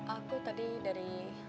aku tadi dari